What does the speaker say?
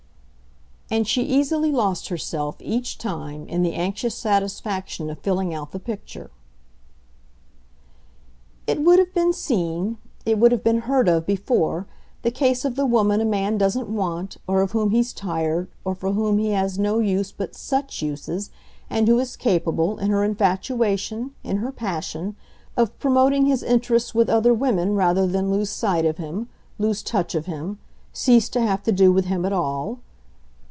And she easily lost herself, each time, in the anxious satisfaction of filling out the picture. "It would have been seen, it would have been heard of, before, the case of the woman a man doesn't want, or of whom he's tired, or for whom he has no use but SUCH uses, and who is capable, in her infatuation, in her passion, of promoting his interests with other women rather than lose sight of him, lose touch of him, cease to have to do with him at all.